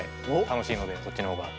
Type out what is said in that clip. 楽しいのでそっちの方が。